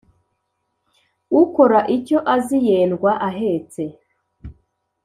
Ukora icyo azi yendwa ahetse.